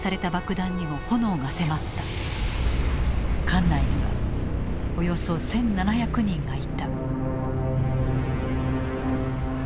艦内にはおよそ１，７００人がいた。